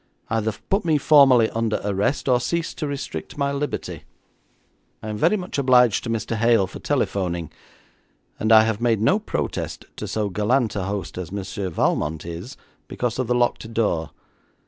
Either put me formally under arrest, or cease to restrict my liberty. I am very much obliged to Mr. Hale for telephoning, and I have made no protest to so gallant a host as Monsieur Valmont is, because of the locked door.